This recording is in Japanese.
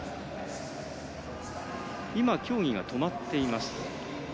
今、競技が止まっています。